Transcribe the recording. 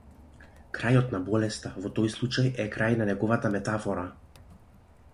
Крајот на болеста во тој случај е крај на неговата метафора.